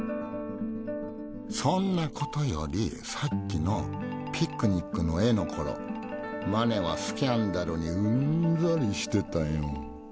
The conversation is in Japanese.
そんなことよりさっきのピクニックの絵の頃マネはスキャンダルにうんざりしてたよ。